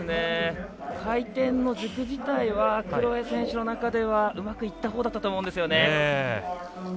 回転の軸自体はクロエ選手の中ではうまくいったほうだったと思うんですよね。